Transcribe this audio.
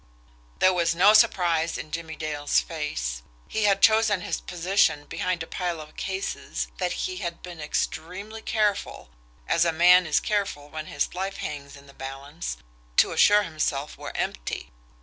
There was no surprise in Jimmie Dale's face he had chosen his position behind a pile of cases that he had been extremely careful, as a man is careful when his life hangs in the balance, to assure himself were empty.